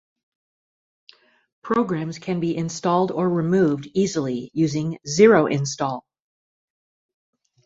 Programs can be installed or removed easily using Zero Install.